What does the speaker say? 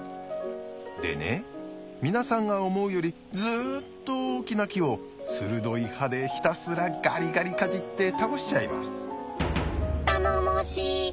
でね皆さんが思うよりずっと大きな木を鋭い歯でひたすらガリガリかじって倒しちゃいます。